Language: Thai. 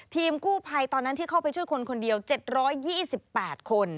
ทีมกู้ภัยตอนนั้นที่เข้าไปช่วยคนคนเดียว๗๒๘คน